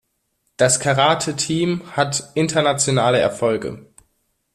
Das Karate-Team hat internationale Erfolge.